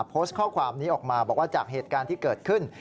โพสต์ข้อความนี้ออกมาบอกว่าจากเหตุการณ์ที่เกิดขึ้น